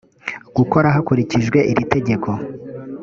gukora hakurikijwe iri tegeko